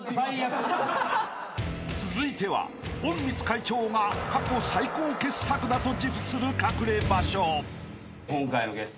［続いては隠密会長が過去最高傑作だと自負する隠れ場所！］